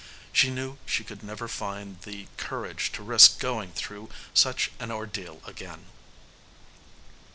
She knew she never could find the courage to risk going through such an ordeal again.